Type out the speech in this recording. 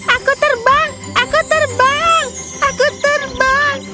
aku terbang aku terbang aku terbang